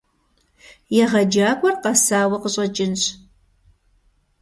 ЕгъэджакӀуэр къэсауэ къыщӀэкӀынщ.